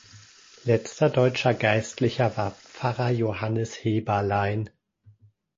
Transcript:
Letzter deutscher Geistlicher war Pfarrer "Johannes Heberlein".